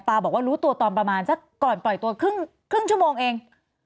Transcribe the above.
บอกว่ารู้ตัวตอนประมาณสักก่อนปล่อยตัวครึ่งชั่วโมงเอง